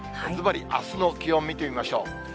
ずばり、あすの気温見てみましょう。